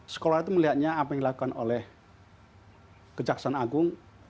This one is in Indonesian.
sekolah itu melihatnya apa yang dilakukan oleh kejaksaan agung